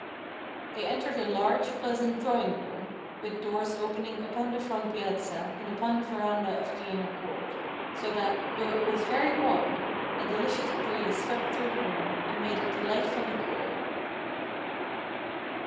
They entered a large, pleasant drawing room, with doors opening upon the front piazza and upon the verandah of the inner court, so that, though it was very warm, a delicious breeze swept through the room, and made it delightfully cool.